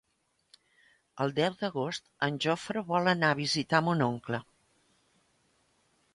El deu d'agost en Jofre vol anar a visitar mon oncle.